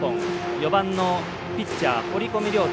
４番のピッチャー、堀米涼太。